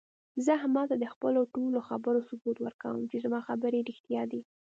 زه احمد ته د خپلو ټولو خبرو ثبوت ورکوم، چې زما خبرې رښتیا دي.